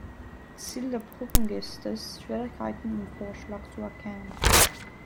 Ziel der Prüfung ist es, Schwierigkeiten im Vorschlag zu erkennen.